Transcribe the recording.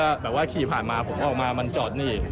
ก็แบบว่าขี่ผ่านมาผมออกมามันจอดนี่